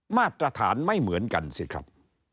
มาตรฐานไม่เหมือนกันสิครับ